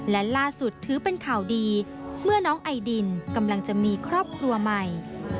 และล่าสุดถือเป็นข่าวดีเมื่อน้องไอดินกำลังจะมีครอบครัวใหม่